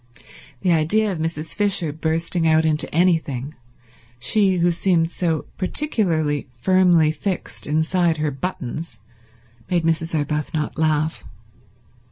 The idea of Mrs. Fisher bursting out into anything, she who seemed so particularly firmly fixed inside her buttons, made Mrs. Arbuthnot laugh.